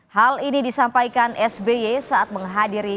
hal ini disampaikan sby saat menghadiri